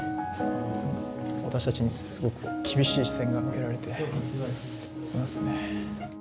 私たちにすごく厳しい視線が向けられています